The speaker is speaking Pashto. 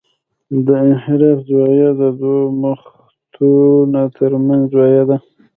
د انحراف زاویه د دوه خطونو ترمنځ زاویه ده